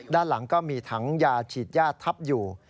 ด้านหลังก็มีถังยาฉีดยาดทับอยู่